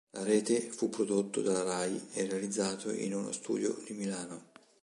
La rete fu prodotto dalla Rai e realizzato in uno studio di Milano.